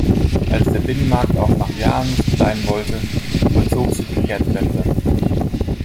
Als der Binnenmarkt auch nach Jahren nicht gedeihen wollte, vollzog sie die Kehrtwende.